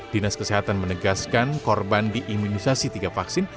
dinas kesehatan menegaskan korban diimunisasi tiga vaksin